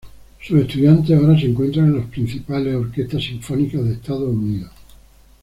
Sus estudiantes ahora se encuentran en las principales orquestas sinfónicas de Estados Unidos.